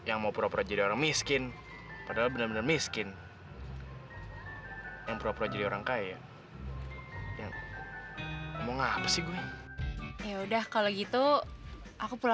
aku tuh ngidip di musyola sementara